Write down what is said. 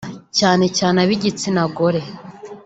cyane cyane ab’igitsina gore